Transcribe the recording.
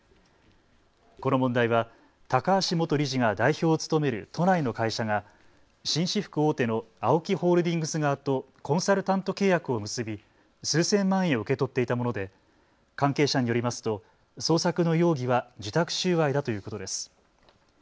この問題は高橋元理事が代表を務める都内の会社が紳士服大手のＡＯＫＩホールディングス側とコンサルタント契約を結び数千万円を受け取っていたもので関係者によりますと捜索の容疑は受託収賄だということです。